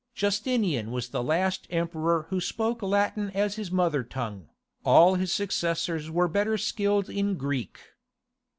Justinian was the last emperor who spoke Latin as his mother tongue, all his successors were better skilled in Greek.